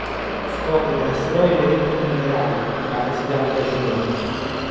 Scoprono un asteroide ricco di minerale ma presidiato dai Cyloni.